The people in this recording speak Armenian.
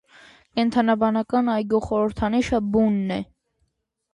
Կենդանաբանական այգու խորհրդանիշը բուն է։